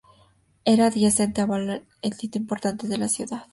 Era adyacente a Bab al-Bagdad, otro hito importante en la ciudad.